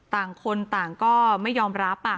ต่างคนต่างก็ไม่ยอมรับ